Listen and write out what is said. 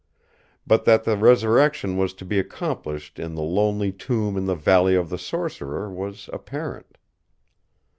But that the resurrection was to be accomplished in the lonely tomb in the Valley of the Sorcerer was apparent.